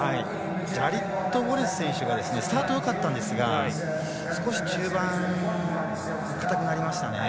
ジャリド・ウォレス選手がスタートよかったんですが中盤、硬くなりましたね。